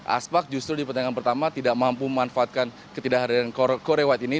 aspak justru di pertandingan pertama tidak mampu memanfaatkan ketidakhadiran korea white ini